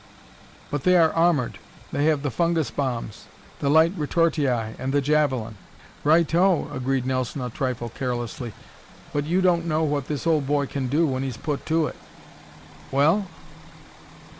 "But they are armored! They have the fungus bombs, the light retortii and the javelin!" "Righto!" agreed Nelson a trifle carelessly, "but you don't know what this old boy can do when he's put to it. Well?"